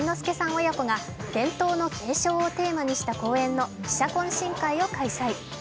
親子が伝統の継承をテーマにした公演の記者懇親会を開催。